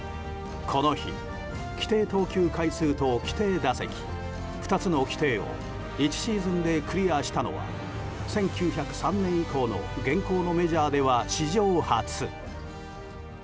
この日、規定投球回数と規定打席２つの規定を１シーズンでクリアしたのは１９０３年以降の現行のメジャーでは史上初。